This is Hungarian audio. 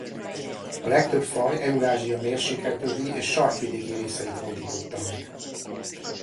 A legtöbb faj Eurázsia mérsékelt övi és sarkvidéki részeit hódította meg.